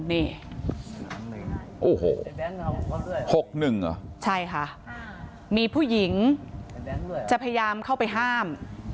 ๖หนึ่งใช่ค่ะมีผู้หญิงจะพยายามเข้าไปห้าม